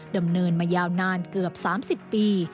ดำเนินมายาวนานเกือบ๓๐ปี